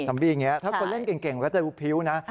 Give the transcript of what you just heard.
ซอมบี้อย่างนี้ถ้าคนเล่นเก่งแล้วจะพิ้วนะ